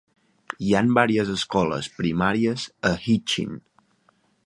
Hi han varies escoles primàries a Hitchin.